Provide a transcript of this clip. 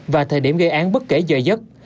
và thời điểm gây án bất kể giờ giấc